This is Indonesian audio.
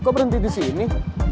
kok berhenti disini